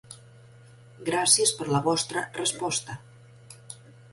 Gràcies per la vostra resposta!